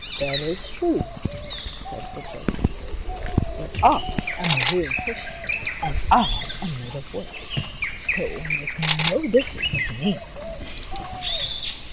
" That is true," said the toy captain, " but I am a real person and I am made of wood, so it will make no difference to me."